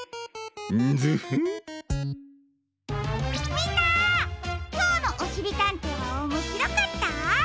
みんなきょうの「おしりたんてい」はおもしろかった？